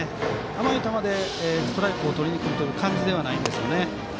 甘い球でストライクをとりにくる感じではないんですよね。